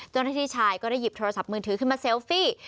เจ้าหน้าที่ชายก็ได้หยิบโทรศัพท์มือถือขึ้นมาเซลฟี่